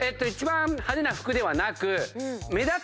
一番派手な服ではなく。